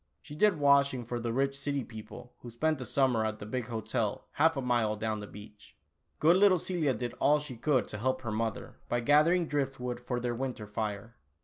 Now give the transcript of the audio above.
She did washing for the rich city people who spent the summer at the big hotel half a mile down the beach. Good little Celia did all she could to help her mother, by gathering driftwood for their winter fire.